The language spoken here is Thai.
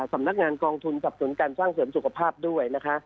สำนักงานกองทุนสับสนการสร้างเสริมสุขภาพด้วยนะคะ